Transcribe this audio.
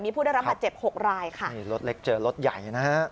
ผู้ได้รับบาดเจ็บหกรายค่ะนี่รถเล็กเจอรถใหญ่นะฮะ